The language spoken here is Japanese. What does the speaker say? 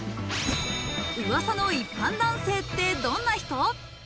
噂の一般男性ってどんな人？